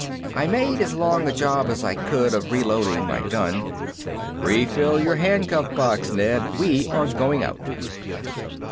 I made as long a job as I could of reloading my gun. "Refill your handcuff box, Ned. We are going out."